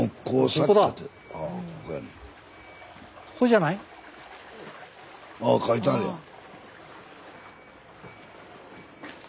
スタジオああ書いてあるやん。